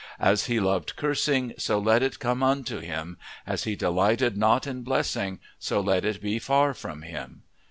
"As he loved cursing, so let it come unto him; as he delighted not in blessing, so let it be far from him.